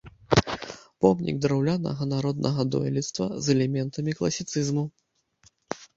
Помнік драўлянага народнага дойлідства з элементамі класіцызму.